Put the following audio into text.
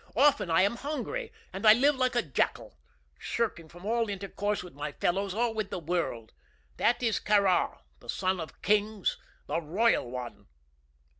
Often I am hungry, and I live like a jackal, shrinking from all intercourse with my fellows or with the world. That is Kāra, the son of kings, the royal one!"